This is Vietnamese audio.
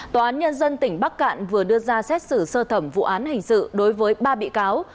tòa án nhân dân tỉnh bắc cạn vừa đưa ra xét xử sơ thẩm vụ án hình sự đối với ba bị cáo